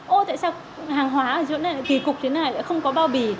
ôi tại sao hàng hóa ở chỗ này kỳ cục thế này lại không có bao bì